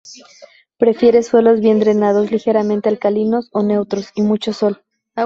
Prefiere suelos bien drenados, ligeramente alcalinos o neutros, y mucho sol.